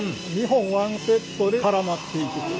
２本１セットで絡まっていくと。